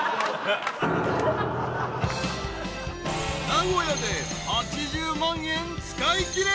［名古屋で８０万円使いきれ］